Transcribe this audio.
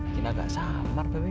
cinta gak samar pewe